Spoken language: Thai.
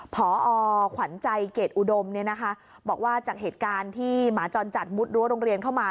พอขวัญใจเกรดอุดมเนี่ยนะคะบอกว่าจากเหตุการณ์ที่หมาจรจัดมุดรั้วโรงเรียนเข้ามา